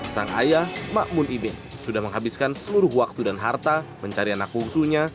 sang ayah makmun ibe sudah menghabiskan seluruh waktu dan harta mencari anak bungsunya